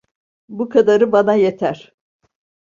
Bu kadarı bana yeter.